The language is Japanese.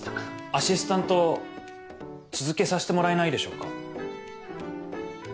アシスタント続けさせてもらえないでしょうか？